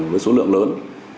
với số lượng lớn